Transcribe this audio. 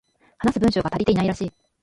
話す文章が足りていないらしい